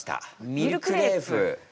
ミルクレープ！